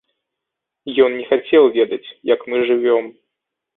Ён не хацеў ведаць, як мы жывём.